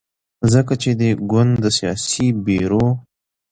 ځکه چې دې ګوند د سیاسي بیرو